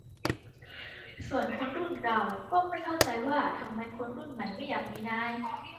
ส่วนคนรุ่นเก่า ก็ไม่เข้าใจว่าทำไมคนรุ่นใหม่ไม่อยากมีนาย